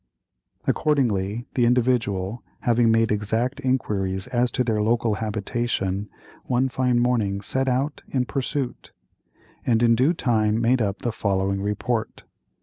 Accordingly the Individual, having made exact inquiries as to their local habitation, one fine morning set out in pursuit, and in due time made up the following report.